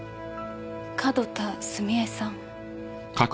角田澄江さん。